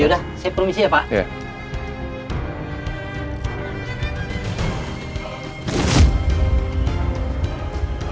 ya udah saya permisi ya pak